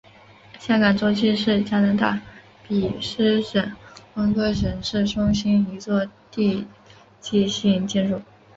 海港中心是加拿大卑诗省温哥华市中心一座地标性建筑。